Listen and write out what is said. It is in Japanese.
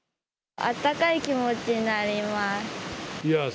温かい気持ちになります。